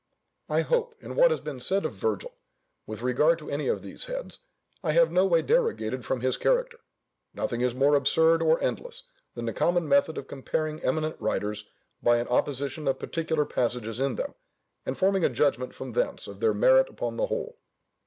I hope, in what has been said of Virgil, with regard to any of these heads, I have no way derogated from his character. Nothing is more absurd or endless, than the common method of comparing eminent writers by an opposition of particular passages in them, and forming a judgment from thence of their merit upon the whole.